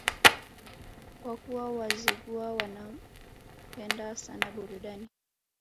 Kwa kuwa Wazigua wanapenda sana burudani